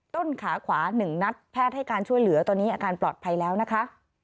ต้นขาขวา๑นัดแพทย์ให้การช่วยเหลือตอนนี้อาการปลอดภัยแล้วนะคะ